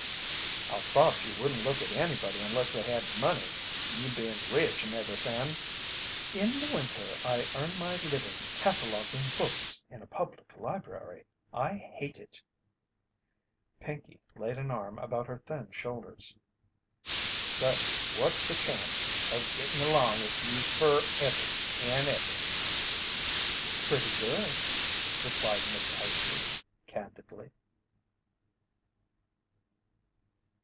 "I thought you wouldn't look at anybody unless they had money you bein' rich 'n' ever'thing." "In the winter I earn my living cataloguing books in a public library. I hate it." Pinkey laid an arm about her thin shoulders. "Say, what's the chanct of gittin' along with you f'rever an' ever?" "Pretty good," replied Miss Eyester, candidly.